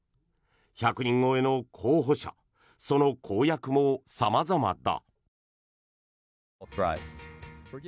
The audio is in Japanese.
１００人超えの候補者その公約も様々だ。